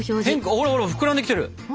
ほらほら膨らんできてる。